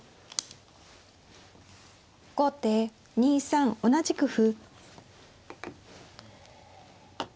後手２三同じく歩。